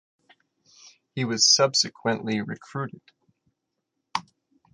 He was subsequently recruited.